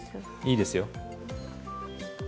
いいですよ。